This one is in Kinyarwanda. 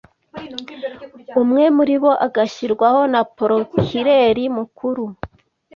umwe muri bo agashyirwaho na Prokireri mukuru